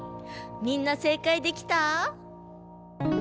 みんな正解できた？